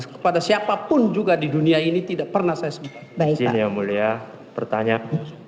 kepada siapapun juga di dunia ini tidak pernah saya sebut